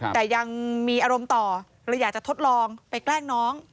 แต่ยังมีอารมณ์ต่อเลยอยากจะทดลองไปแกล้งน้อง